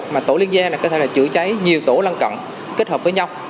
mà tổ liên gia là có thể là chữa cháy nhiều tổ lân cận kết hợp với nhau